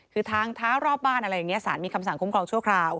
คือทางเท้ารอบบ้านอะไรอย่างนี้สารมีคำสั่งคุ้มครองชั่วคราว